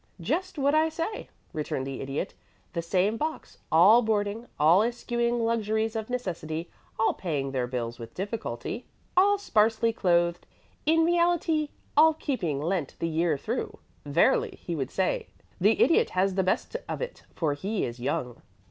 "Just what I say," returned the Idiot. "The same box. All boarding, all eschewing luxuries of necessity, all paying their bills with difficulty, all sparsely clothed; in reality, all keeping Lent the year through. 'Verily,' he would say, 'the Idiot has the best of it, for he is young.'"